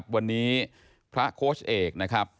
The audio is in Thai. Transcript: วันนี้พระโคนช์เอกช์